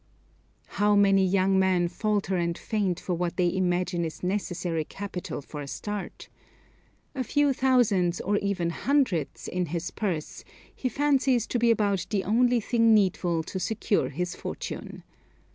How many young men falter and faint for what they imagine is necessary capital for a start. A few thousands or even hundreds, in his purse, he fancies to be about the only thing needful to secure his fortune.